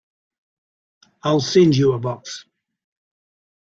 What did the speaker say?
I'll send you a box.